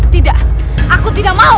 tidak aku tidak mau